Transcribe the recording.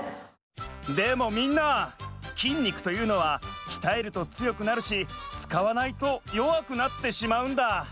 でもみんな筋肉というのはきたえるとつよくなるしつかわないとよわくなってしまうんだ。